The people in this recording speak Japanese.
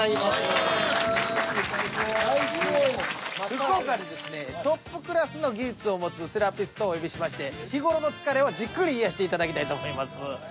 福岡でですねトップクラスの技術を持つセラピストをお呼びしまして日頃の疲れをじっくり癒やしていただきたいと思います。